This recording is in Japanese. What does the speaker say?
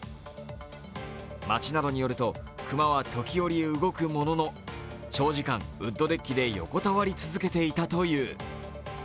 町などによると熊は時折、動くものの長時間ウッドデッキで横たわり続けていたという。